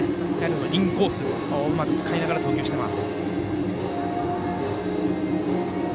インコース、うまく使いながら投球してます。